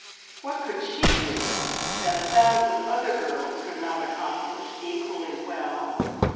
What could she do that a thousand other girls could not accomplish equally well?